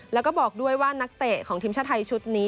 แล้วก็บอกด้วยว่านักเตะของทีมชาติไทยชุดนี้